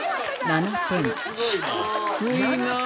７点！？